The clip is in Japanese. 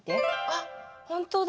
あっほんとだ。